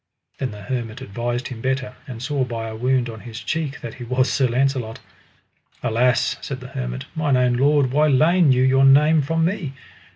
Then the hermit advised him better, and saw by a wound on his cheek that he was Sir Launcelot. Alas, said the hermit, mine own lord why lain you your name from me?